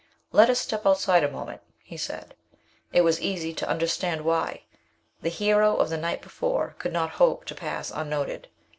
"Let us step outside a moment," he said. It was easy to understand why. The hero of the night before could not hope to pass unnoted.